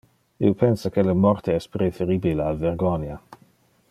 Io pensa que le morte es preferibile al vergonia.